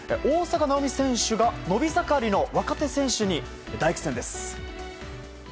大坂なおみ選手が伸び盛りの若手選手に大苦戦です。